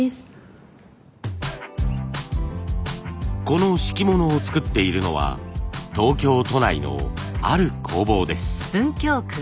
この敷物を作っているのは東京都内のある工房です。